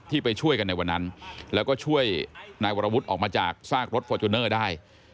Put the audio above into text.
ไปช่วยกันในวันนั้นแล้วก็ช่วยนายวรวุฒิออกมาจากซากรถฟอร์จูเนอร์ได้